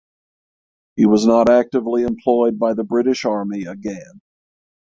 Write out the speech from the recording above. He was not actively employed by the British Army again.